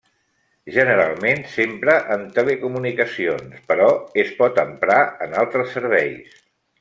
Generalment s'empra en telecomunicacions, però es pot emprar en altres serveis.